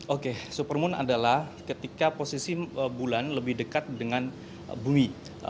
oke supermoon adalah ketika posisi bulan lebih dekat dengan bumi